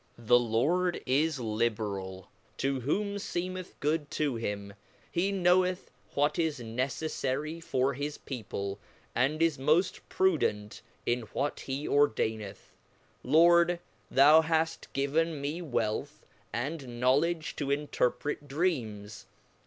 The Lord is liberal to whom feemeth good to him ; he knoweth what is necefTary for his people , and is moft pru dent in what he ordaineth. Lord, thou haft given me wealth, andknowledg to interpret dreams.